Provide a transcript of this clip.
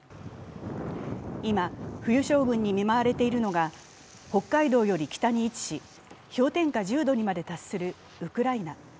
今、冬将軍に見舞われているのが北海道より北に位置し氷点下１０度にまで達するウクライナ。